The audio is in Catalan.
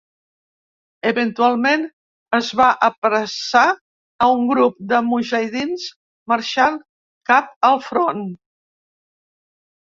Eventualment es va apressar a un grup de "mujahidins" marxant cap al front.